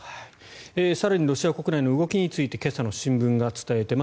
更にロシア国内の動きについて今朝の新聞が伝えています。